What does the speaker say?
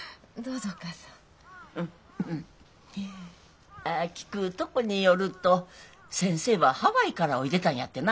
うんああ聞くとこによると先生はハワイからおいでたんやってな。